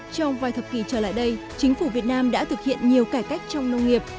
trong vài thập kỷ trở lại đây chính phủ việt nam đã thực hiện nhiều cải cách trong nông nghiệp